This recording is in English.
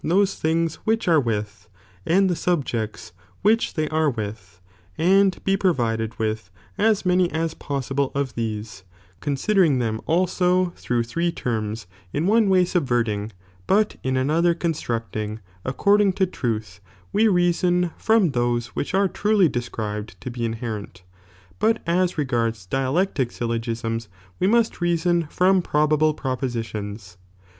^' those things which are with, and the subjects lioiophicidm. which they oro With, and be provided with as many '"''*■ as possible of these, considering them also through three terms in one way subverting, but in another constructing according to truth (we reason) from those which are truly de scribed to be inherent, hut as regards dialeutic syllogisms (we iiiiist reason) from probable propositions.